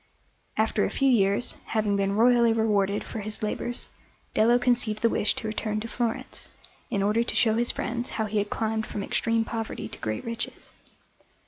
After a few years, having been royally rewarded for his labours, Dello conceived the wish to return to Florence, in order to show his friends how he had climbed from extreme poverty to great riches.